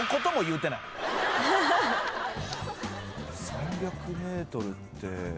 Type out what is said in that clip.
３００ｍって。